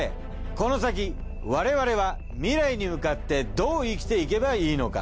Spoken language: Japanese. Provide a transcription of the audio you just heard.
この先我々は未来に向かってどう生きていけばいいのか？